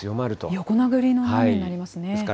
横殴りの雨になりますね。